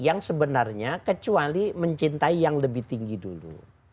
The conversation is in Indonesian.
yang sebenarnya kecuali mencintai yang lebih tinggi dulu